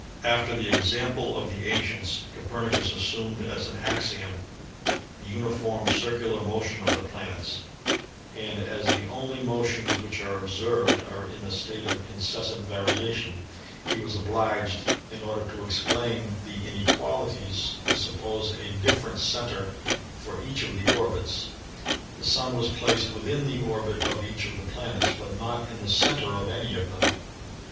After the example of the ancients, Copernicus assumed as an axiom the uni form, circular motion of the planets, and, as the only motions which are observed are in a state of incessant variation, he was obliged, in order to explain the inequali ties to suppose a different center for each of the orbits. The Sun was placed within the orbit of each of the plan ets, but not in the center of any of them.